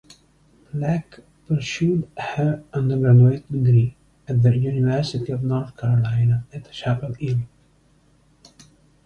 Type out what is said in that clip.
Black pursued her undergraduate degree at the University of North Carolina at Chapel Hill.